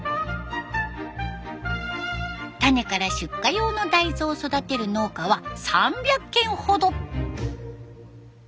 種から出荷用の大豆を育てる農家は３００軒ほど。